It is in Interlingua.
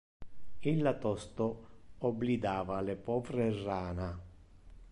Illa tosto oblidava le povre rana.